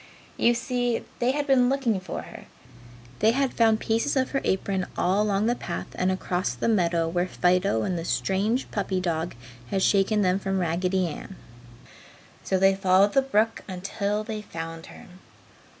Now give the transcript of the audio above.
You see, they had been looking for her. They had found pieces of her apron all along the path and across the meadow where Fido and the strange puppy dog had shaken them from Raggedy Ann. So they followed the brook until they found her.